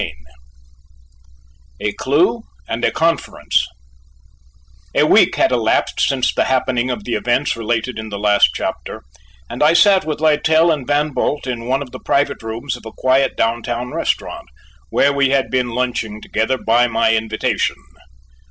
CHAPTER IX A CLUE AND A CONFERENCE A week had elapsed since the happening of the events related in the last chapter, and I sat with Littell and Van Bult in one of the private rooms of a quiet downtown restaurant, where we had been lunching together by my invitation.